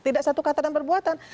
tidak satu kata dan perbuatan